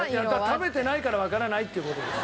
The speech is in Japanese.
食べてないからわからないっていう事です。